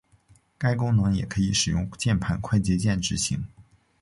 该功能也可以使用键盘快捷键执行。